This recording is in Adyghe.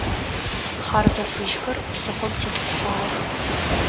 Хьарзэ фыжьхэр псыхъом тетӏысхьагъэх.